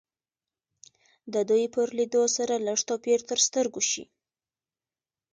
د دوی په لیدو سره لږ توپیر تر سترګو شي